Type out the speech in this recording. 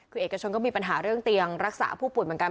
คือเอกชนก็มีปัญหาเรื่องเตียงรักษาผู้ป่วยเหมือนกัน